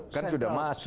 kan sudah masuk